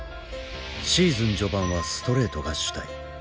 シーズン序盤はストレートが主体。